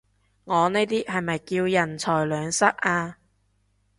我呢啲係咪叫人財兩失啊？